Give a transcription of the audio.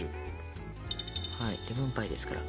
レモンパイですから。